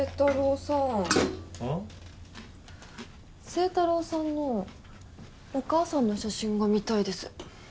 星太郎さんのお母さんの写真が見たいです。